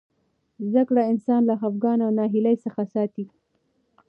زده کړه انسان له خفګان او ناهیلۍ څخه ساتي.